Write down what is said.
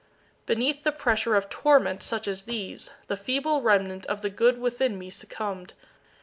Beneath the pressure of torments such as these, the feeble remnant of the good within me succumbed.